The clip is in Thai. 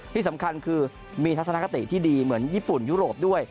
ที่สำคัญคือมีทัศนคติที่ดีเหมือนญี่ปุ่นยุโรปด้วย